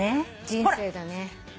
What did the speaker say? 人生だね。